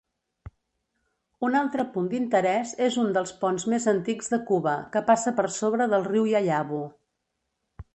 Un altre punt d'interès és un dels ponts més antics de Cuba que passa per sobre del riu Yayabo.